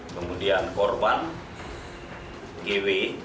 kemudian korban gw